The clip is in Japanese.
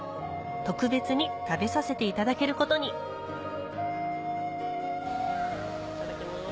特別に食べさせていただけることにいただきます。